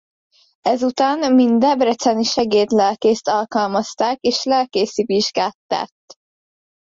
Ezután mint debreceni segédlelkészt alkalmazták és lelkészi vizsgát tett.